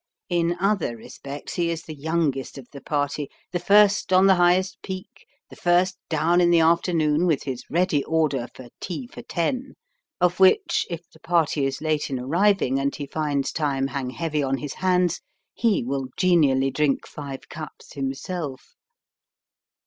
In other respects he is the youngest of the party, the first on the highest peak, the first down in the afternoon with his ready order for "tea for ten," of which, if the party is late in arriving and he finds time hang heavy on his hands, he will genially drink five cups himself.